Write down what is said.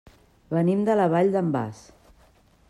Venim de la Vall d'en Bas.